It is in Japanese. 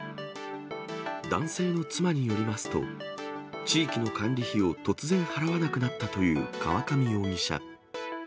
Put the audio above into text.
男性の妻によりますと、地域の管理費を突然払わなくなったという河上容疑者。